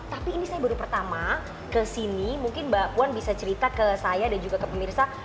tapi ini saya baru pertama kesini mungkin mbak puan bisa cerita ke saya dan juga ke pemirsa